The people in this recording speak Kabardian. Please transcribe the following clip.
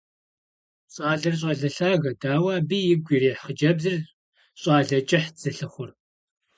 Щӏалэр щӏалэ лъагэт, ауэ абы игу ирихь хъыджэбзыр щӏалэ кӏыхьт зылъыхъур.